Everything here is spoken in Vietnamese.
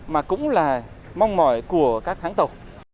mà cũng là mong mỏi của các hãng tàu